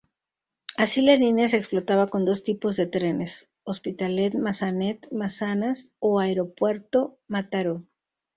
Así la línea se explotaba con dos tipos de trenes: Hospitalet-Massanet-Massanas o Aeropuerto-Mataró.